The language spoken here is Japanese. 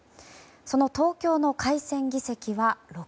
その東京の改選議席は６。